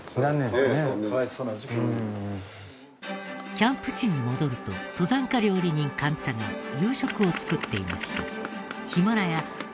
キャンプ地に戻ると登山家料理人カンツァが夕食を作っていました。